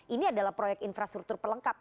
ini adalah proyek infrastruktur pelengkap